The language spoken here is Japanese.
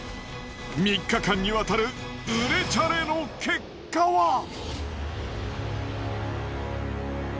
３日間にわたる売れチャレの結果は。